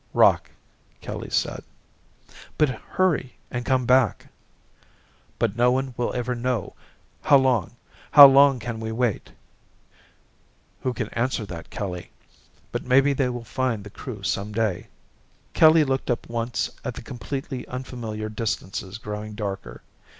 "Rock," Kelly said. "But hurry and come back." "But no one will ever know. How long how long can we wait?" "Who can answer that, Kelly? But maybe they will find the Crew someday." Kelly looked up once at the completely unfamiliar distances growing darker.